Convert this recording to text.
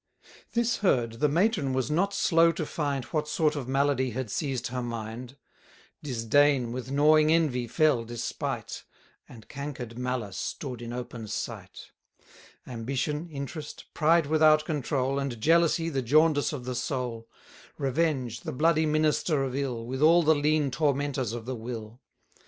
This heard, the matron was not slow to find What sort of malady had seized her mind: Disdain, with gnawing envy, fell despite, 70 And canker'd malice stood in open sight: Ambition, interest, pride without control, And jealousy, the jaundice of the soul; Revenge, the bloody minister of ill, With all the lean tormentors of the will.